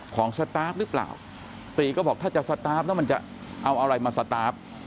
สตาร์ฟหรือเปล่าตีก็บอกถ้าจะสตาร์ฟแล้วมันจะเอาอะไรมาสตาร์ฟ